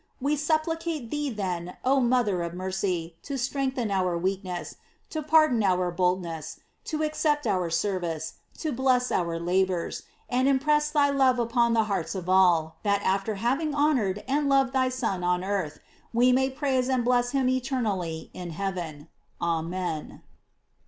"We supplicate thee then, oh mother of mercy, to strengthen our weakness, to pardon our boldness, to accept our service, to bless our labors, and impress thy love upon the hearts of all, that after having honor ed and loved thy Son on earth, we may praise and bless him eternally in heaven. Amen.